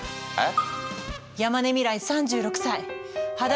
えっ？